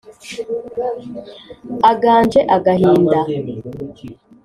aganje agahinda